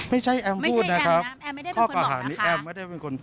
ไม่ใช่แอมพูดนะครับข้อประหารนี้แอมไม่ได้เป็นคนพูด